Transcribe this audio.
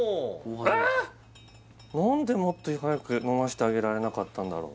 えーっ何でもっと早く飲ましてあげられなかったんだろう